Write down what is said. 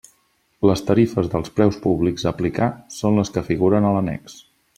Les tarifes dels preus públics a aplicar són les que figuren a l'annex.